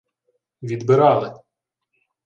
— Відбирали.